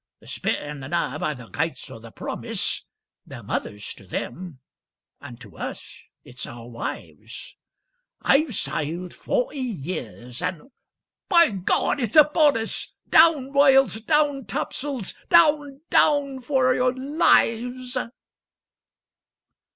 'The Spit and the Nab are the gates of the promise, Their mothers to them—and to us it's our wives. I've sailed forty years, and—By God it's upon us! Down royals, Down top'sles, down, down, for your lives!